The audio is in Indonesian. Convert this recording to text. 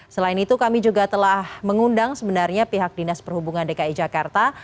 selain itu kami juga telah mengundang sebenarnya pihak dinas perhubungan dki jakarta